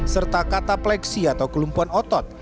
serta katapleksi atau kelumpuhan otot